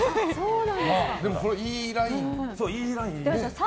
でも、いいラインですね。